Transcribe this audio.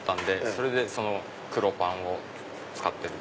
それでその黒パンを使ってる。